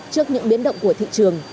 trước những biến động của thị trường